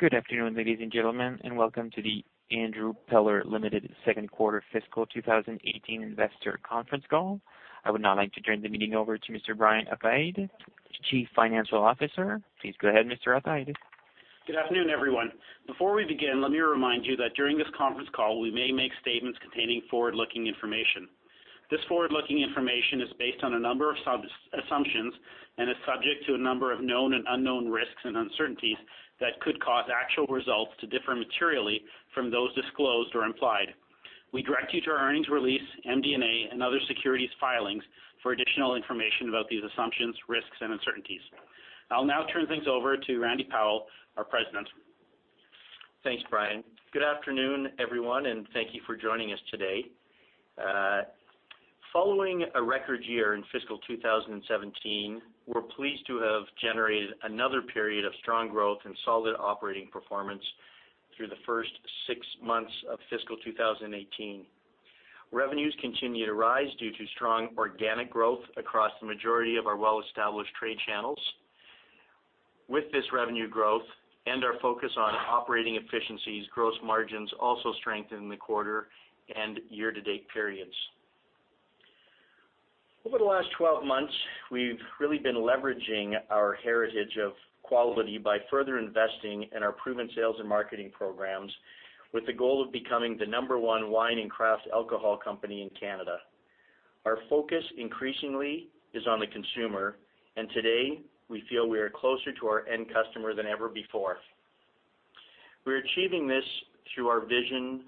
Good afternoon, ladies and gentlemen, and welcome to the Andrew Peller Limited second quarter fiscal 2018 investor conference call. I would now like to turn the meeting over to Mr. Brian Athaide, Chief Financial Officer. Please go ahead, Mr. Athaide. Good afternoon, everyone. Before we begin, let me remind you that during this conference call, we may make statements containing forward-looking information. This forward-looking information is based on a number of assumptions and is subject to a number of known and unknown risks and uncertainties that could cause actual results to differ materially from those disclosed or implied. We direct you to our earnings release, MD&A, and other securities filings for additional information about these assumptions, risks, and uncertainties. I'll now turn things over to Randy Powell, our President. Thanks, Brian. Good afternoon, everyone, and thank you for joining us today. Following a record year in fiscal 2017, we're pleased to have generated another period of strong growth and solid operating performance through the first six months of fiscal 2018. Revenues continue to rise due to strong organic growth across the majority of our well-established trade channels. With this revenue growth and our focus on operating efficiencies, gross margins also strengthened in the quarter and year-to-date periods. Over the last 12 months, we've really been leveraging our heritage of quality by further investing in our proven sales and marketing programs with the goal of becoming the number one wine and craft alcohol company in Canada. Our focus increasingly is on the consumer, and today we feel we are closer to our end customer than ever before. We're achieving this through our vision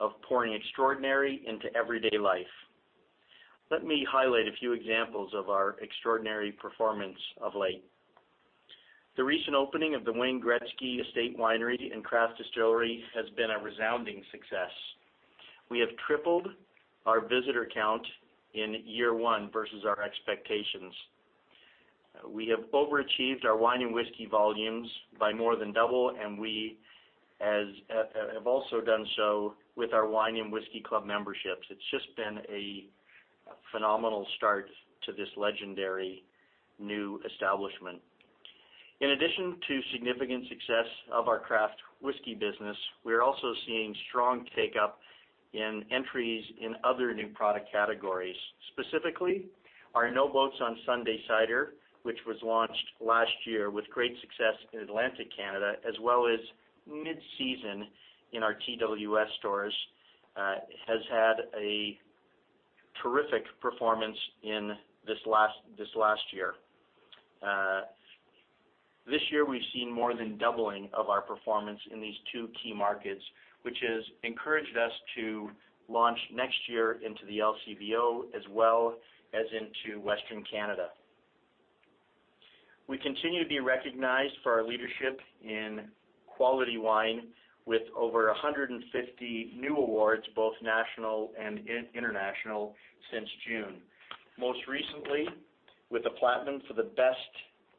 of pouring extraordinary into everyday life. Let me highlight a few examples of our extraordinary performance of late. The recent opening of the Wayne Gretzky Estate Winery and Craft Distillery has been a resounding success. We have tripled our visitor count in year one versus our expectations. We have overachieved our wine and whiskey volumes by more than double, and we have also done so with our Wine and Whiskey Club memberships. It's just been a phenomenal start to this legendary new establishment. In addition to significant success of our craft whiskey business, we are also seeing strong take-up in entries in other new product categories, specifically our No Boats on Sunday cider, which was launched last year with great success in Atlantic Canada, as well as mid-season in our TWS stores, has had a terrific performance in this last year. This year, we've seen more than doubling of our performance in these two key markets, which has encouraged us to launch next year into the LCBO as well as into Western Canada. We continue to be recognized for our leadership in quality wine with over 150 new awards, both national and international, since June. Most recently with a platinum for the best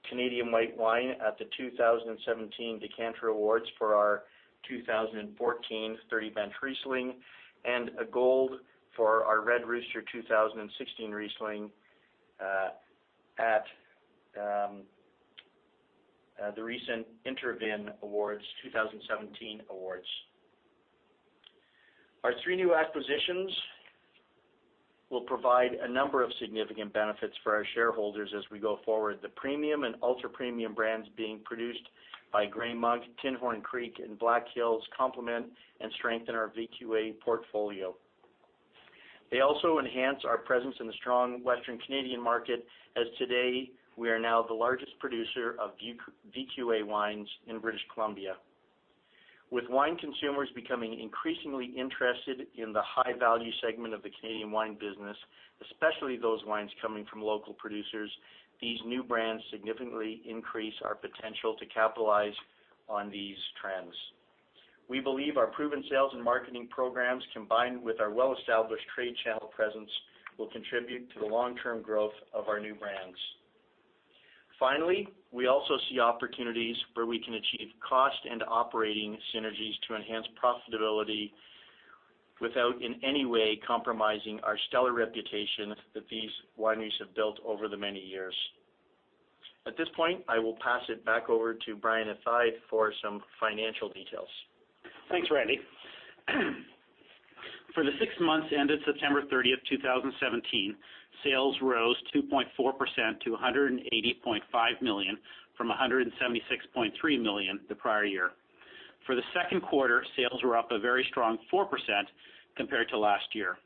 Canadian white wine at the 2017 Decanter Awards for our 2014 Thirty Bench Riesling and a gold for our Red Rooster 2016 Riesling at the recent Intervin Awards 2017. Our 3 new acquisitions will provide a number of significant benefits for our shareholders as we go forward. The premium and ultra-premium brands being produced by Gray Monk, Tinhorn Creek, and Black Hills complement and strengthen our VQA portfolio. They also enhance our presence in the strong Western Canadian market, as today we are now the largest producer of VQA wines in British Columbia. With wine consumers becoming increasingly interested in the high-value segment of the Canadian wine business, especially those wines coming from local producers, these new brands significantly increase our potential to capitalize on these trends. We believe our proven sales and marketing programs, combined with our well-established trade channel presence, will contribute to the long-term growth of our new brands. We also see opportunities where we can achieve cost and operating synergies to enhance profitability without in any way compromising our stellar reputation that these wineries have built over the many years. At this point, I will pass it back over to Brian Athaide for some financial details. Thanks, Randy. For the six months ended September 30, 2017, sales rose 2.4% to 180.5 million from 176.3 million the prior year. For the second quarter, sales were up a very strong 4% compared to last year.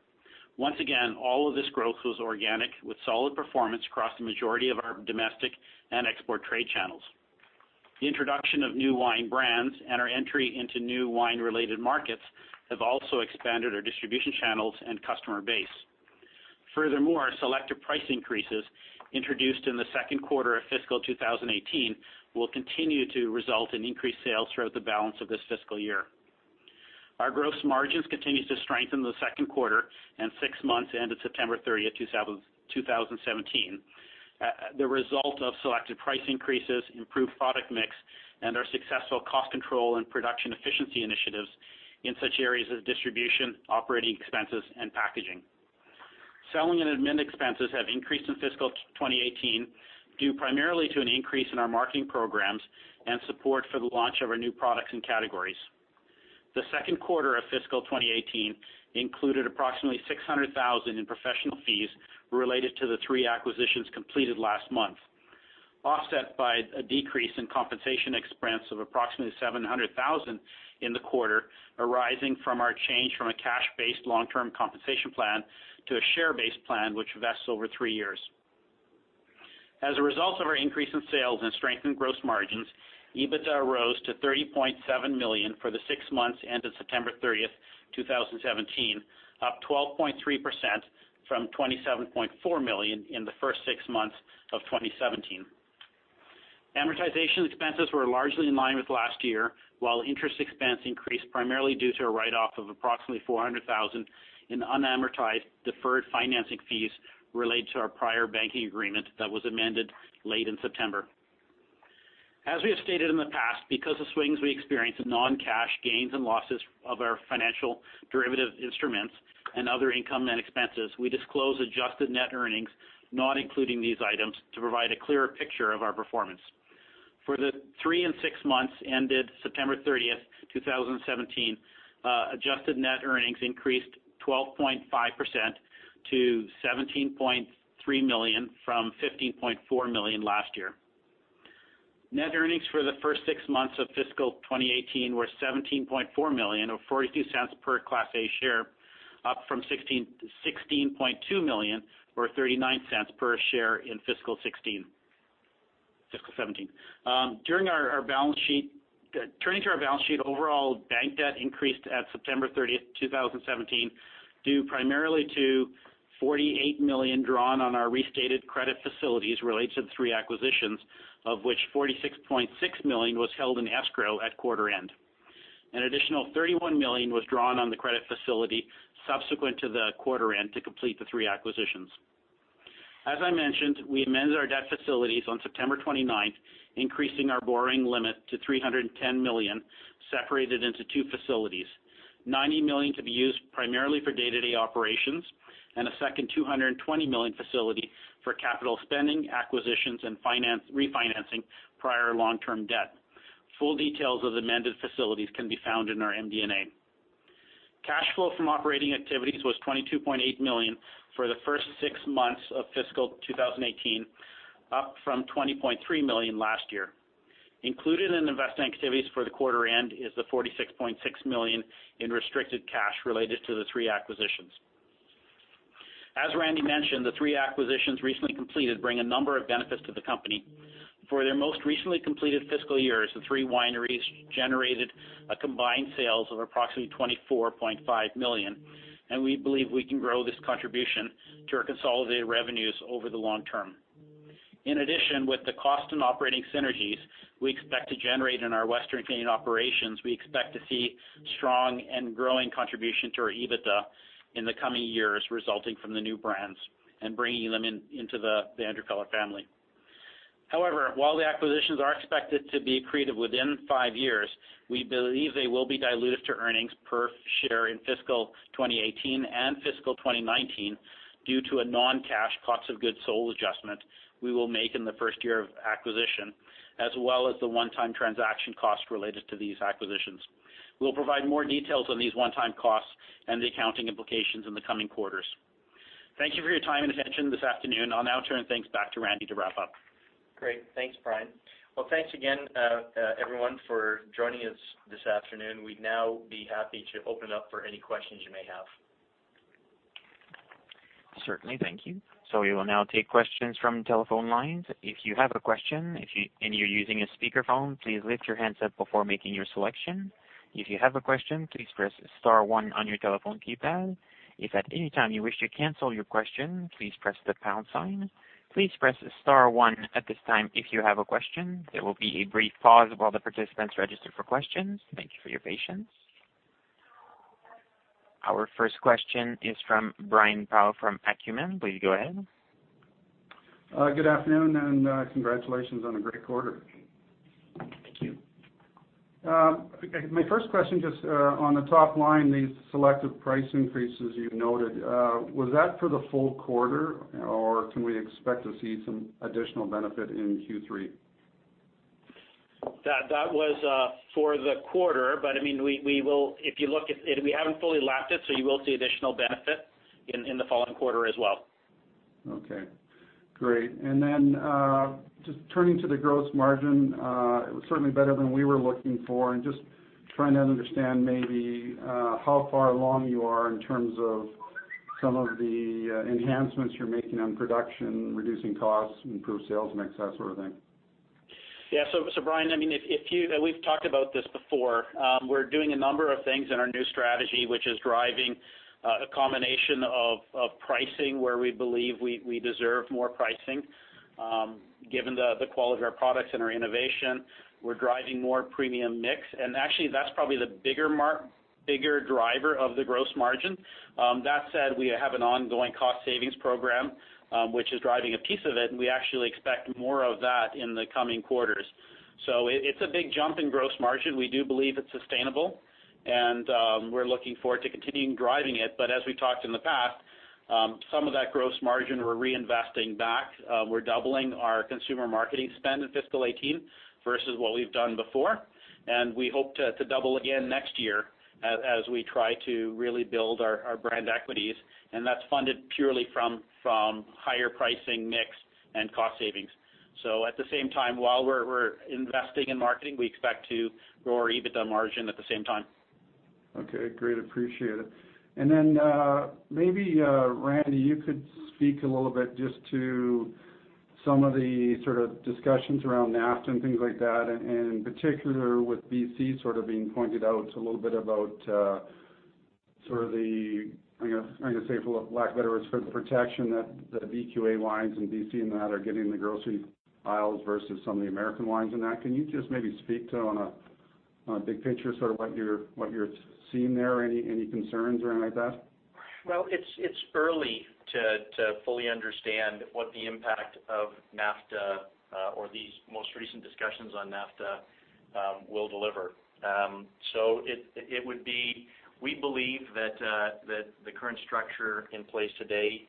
Once again, all of this growth was organic, with solid performance across the majority of our domestic and export trade channels. The introduction of new wine brands and our entry into new wine-related markets have also expanded our distribution channels and customer base. Selective price increases introduced in the second quarter of fiscal 2018 will continue to result in increased sales throughout the balance of this fiscal year. Our gross margins continued to strengthen in the second quarter and six months ended September 30, 2017, the result of selective price increases, improved product mix, and our successful cost control and production efficiency initiatives in such areas as distribution, operating expenses, and packaging. Selling and admin expenses have increased in fiscal 2018, due primarily to an increase in our marketing programs and support for the launch of our new products and categories. The second quarter of fiscal 2018 included approximately 600,000 in professional fees related to the 3 acquisitions completed last month, offset by a decrease in compensation expense of approximately 700,000 in the quarter, arising from our change from a cash-based long-term compensation plan to a share-based plan, which vests over three years. As a result of our increase in sales and strengthened gross margins, EBITDA rose to 30.7 million for the six months ended September 30, 2017, up 12.3% from 27.4 million in the first six months of 2017. Amortization expenses were largely in line with last year, while interest expense increased primarily due to a write-off of approximately 400,000 in unamortized deferred financing fees related to our prior banking agreement that was amended late in September. As we have stated in the past, because of swings we experience in non-cash gains and losses of our financial derivative instruments and other income and expenses, we disclose adjusted net earnings, not including these items, to provide a clearer picture of our performance. For the three and six months ended September 30th, 2017, adjusted net earnings increased 12.5% to 17.3 million from 15.4 million last year. Net earnings for the first six months of fiscal 2018 were 17.4 million, or 0.42 per Class A share, up from 16.2 million or 0.39 per share in fiscal 2017. Turning to our balance sheet, overall bank debt increased at September 30th, 2017, due primarily to 48 million drawn on our restated credit facilities related to the three acquisitions, of which 46.6 million was held in escrow at quarter end. An additional 31 million was drawn on the credit facility subsequent to the quarter end to complete the three acquisitions. As I mentioned, we amended our debt facilities on September 29th, increasing our borrowing limit to 310 million, separated into two facilities, 90 million to be used primarily for day-to-day operations, and a second 220 million facility for capital spending, acquisitions, and refinancing prior long-term debt. Full details of the amended facilities can be found in our MD&A. Cash flow from operating activities was 22.8 million for the first six months of fiscal 2018, up from 20.3 million last year. Included in investing activities for the quarter end is the 46.6 million in restricted cash related to the three acquisitions. As Randy mentioned, the three acquisitions recently completed bring a number of benefits to the company. For their most recently completed fiscal years, the three wineries generated a combined sales of approximately 24.5 million, and we believe we can grow this contribution to our consolidated revenues over the long term. In addition, with the cost and operating synergies we expect to generate in our Western Canadian operations, we expect to see strong and growing contribution to our EBITDA in the coming years resulting from the new brands and bringing them into the Andrew Peller family. While the acquisitions are expected to be accretive within five years, we believe they will be dilutive to earnings per share in fiscal 2018 and fiscal 2019 due to a non-cash costs of goods sold adjustment we will make in the first year of acquisition, as well as the one-time transaction cost related to these acquisitions. We'll provide more details on these one-time costs and the accounting implications in the coming quarters. Thank you for your time and attention this afternoon. I'll now turn things back to Randy to wrap up. Great. Thanks, Brian. Well, thanks again, everyone, for joining us this afternoon. We'd now be happy to open up for any questions you may have. Certainly. Thank you. We will now take questions from telephone lines. If you have a question and you're using a speakerphone, please lift your handset before making your selection. If you have a question, please press star 1 on your telephone keypad. If at any time you wish to cancel your question, please press the pound sign. Please press star 1 at this time if you have a question. There will be a brief pause while the participants register for questions. Thank you for your patience. Our first question is from Brian Pow from Acumen. Please go ahead. Good afternoon. Congratulations on a great quarter. Thank you. My first question, just on the top line, the selective price increases you noted, was that for the full quarter, or can we expect to see some additional benefit in Q3? That was for the quarter. We haven't fully lapped it. You will see additional benefit in the following quarter as well. Okay, great. Just turning to the gross margin, it was certainly better than we were looking for, and just trying to understand maybe how far along you are in terms of some of the enhancements you're making on production, reducing costs, improved sales mix, that sort of thing. Brian, we've talked about this before. We're doing a number of things in our new strategy, which is driving a combination of pricing where we believe we deserve more pricing, given the quality of our products and our innovation. We're driving more premium mix. Actually, that's probably the bigger driver of the gross margin. That said, we have an ongoing cost savings program, which is driving a piece of it. We actually expect more of that in the coming quarters. It's a big jump in gross margin. We do believe it's sustainable. We're looking forward to continuing driving it. As we talked in the past, some of that gross margin we're reinvesting back. We're doubling our consumer marketing spend in fiscal 2018 versus what we've done before. We hope to double again next year as we try to really build our brand equities, and that's funded purely from higher pricing mix and cost savings. At the same time, while we're investing in marketing, we expect to grow our EBITDA margin at the same time. Okay, great. Appreciate it. Maybe Randy, you could speak a little bit just to some of the sort of discussions around NAFTA and things like that, and in particular with B.C. sort of being pointed out a little bit about sort of the, I'm going to say for lack of better words, protection that VQA wines in B.C. and that are getting in the grocery aisles versus some of the American wines and that. Can you just maybe speak to on a big picture sort of what you're seeing there? Any concerns or anything like that? Well, it's early to fully understand what the impact of NAFTA, or these most recent discussions on NAFTA, will deliver. We believe that the current structure in place today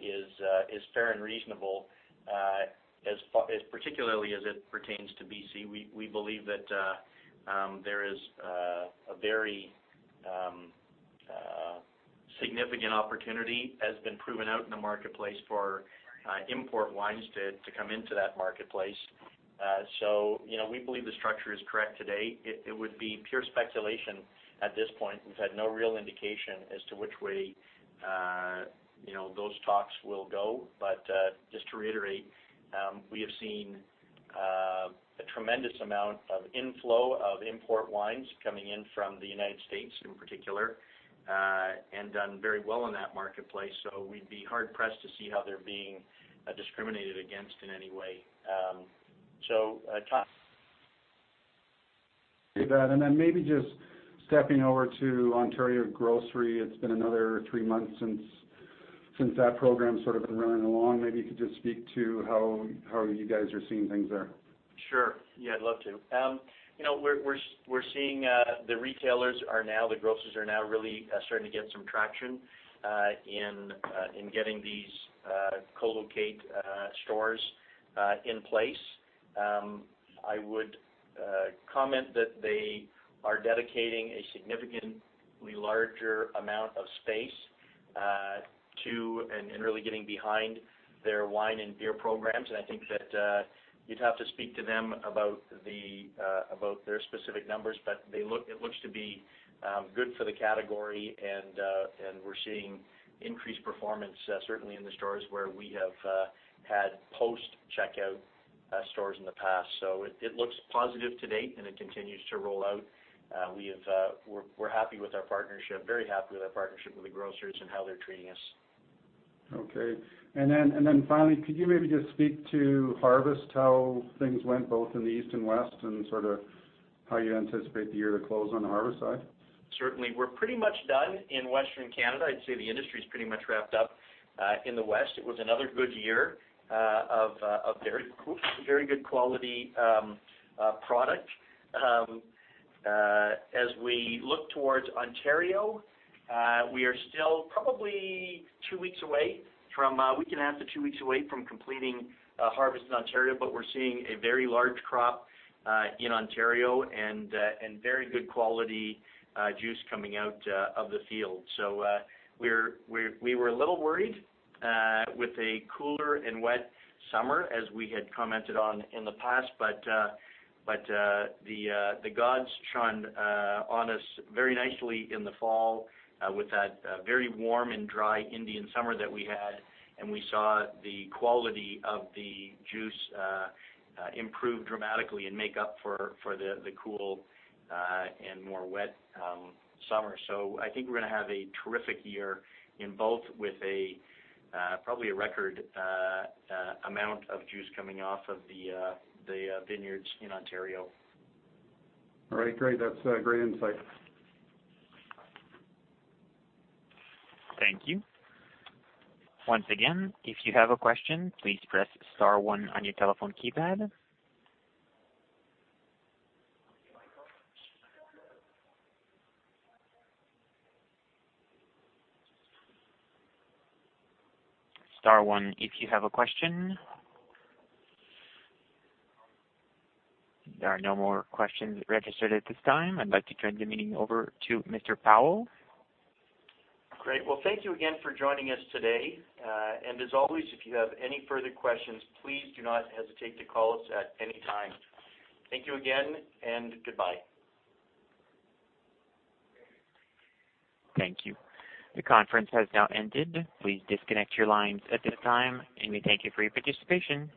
is fair and reasonable, particularly as it pertains to B.C. We believe that there is a very significant opportunity, has been proven out in the marketplace, for import wines to come into that marketplace. We believe the structure is correct today. It would be pure speculation at this point. We've had no real indication as to which way those talks will go. Just to reiterate, we have seen a tremendous amount of inflow of import wines coming in from the United States in particular, and done very well in that marketplace. We'd be hard-pressed to see how they're being discriminated against in any way. Maybe just stepping over to Ontario grocery, it's been another three months since that program sort of been running along. Maybe you could just speak to how you guys are seeing things there. Sure. Yeah, I'd love to. We're seeing the retailers are now, the grocers are now really starting to get some traction in getting these co-locate stores in place. I would comment that they are dedicating a significantly larger amount of space to, and really getting behind their wine and beer programs. I think that you'd have to speak to them about their specific numbers, but it looks to be good for the category and we're seeing increased performance certainly in the stores where we have had post-checkout stores in the past. It looks positive to date and it continues to roll out. We're happy with our partnership, very happy with our partnership with the grocers and how they're treating us. Okay. Finally, could you maybe just speak to harvest, how things went both in the east and west, and sort of how you anticipate the year to close on the harvest side? Certainly. We're pretty much done in Western Canada. I'd say the industry's pretty much wrapped up in the west. It was another good year of very good quality product. As we look towards Ontario, we are still probably two weeks away from, week and a half to two weeks away from completing harvest in Ontario, but we're seeing a very large crop in Ontario and very good quality juice coming out of the field. We were a little worried with a cooler and wet summer, as we had commented on in the past, but the gods shone on us very nicely in the fall with that very warm and dry Indian summer that we had, and we saw the quality of the juice improve dramatically and make up for the cool and more wet summer. I think we're going to have a terrific year in both with probably a record amount of juice coming off of the vineyards in Ontario. All right, great. That's great insight. Thank you. Once again, if you have a question, please press star one on your telephone keypad. Star one if you have a question. There are no more questions registered at this time. I'd like to turn the meeting over to Mr. Powell. Great. Well, thank you again for joining us today. As always, if you have any further questions, please do not hesitate to call us at any time. Thank you again, and goodbye. Thank you. The conference has now ended. Please disconnect your lines at this time, and we thank you for your participation.